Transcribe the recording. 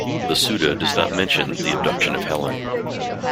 The Suda does not mention "The Abduction of Helen".